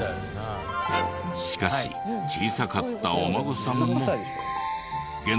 しかし小さかったお孫さんも。